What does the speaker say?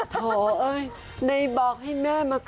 โถยในบอกให้แม่มาขอ